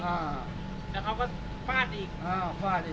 แล้วเขาก็ฝาดอีกอ๋อฝาดอีกอ่าสี่ห้าที